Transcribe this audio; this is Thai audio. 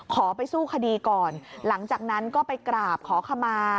ขอไปสู้คดีก่อนหลังจากนั้นก็ไปกราบขอขมา